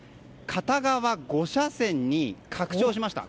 片側５車線に拡張しました。